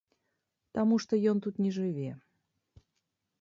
Таму што ён тут не жыве.